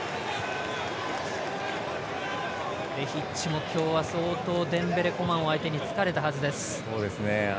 ベヒッチも今日は相当デンベレ、コマンを相手に疲れたはずです。